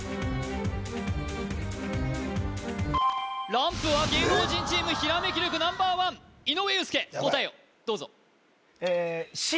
ランプは芸能人チームひらめき力Ｎｏ．１井上裕介答えをどうぞえよし！